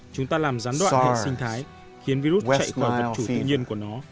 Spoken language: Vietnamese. chúng ta làm gián đoạn hệ sinh thái khiến virus chạy khỏi vật chủ tự nhiên của nó